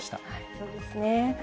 そうですね。